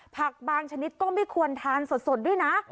ผักทุกชนิดก็ไม่ควรทานสดด้วยนะ